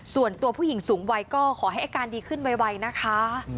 ส่วนตัวผู้หญิงสูงวัยก็ขอให้อาการดีขึ้นไวนะคะ